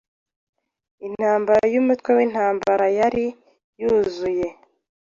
Intambara yumutwe wintambarayari yuzuye